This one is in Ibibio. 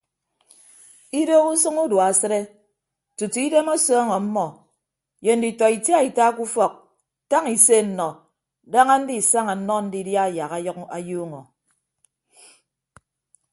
Idoho usʌñ udua asịde tutu idem ọsọọñ ọmmọ ye nditọ itiaita ke ufọk tañ ise nnọ daña ndisaña nnọ ndidia yak ayuuñọ.